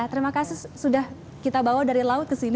terima kasih sudah kita bawa dari laut ke sini